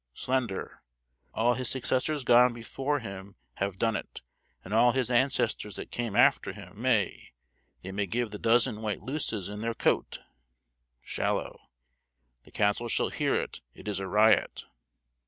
Slender. All his successors gone before him have done't, and all his ancestors that come after him may; they may give the dozen white luces in their coat.... Shallow. The council shall hear it; it is a riot.